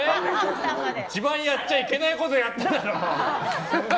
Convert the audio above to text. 一番やっちゃいけないことやっただろ！